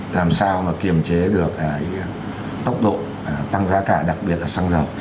điểm chế được cái tốc độ tăng giá cả đặc biệt là xăng dầu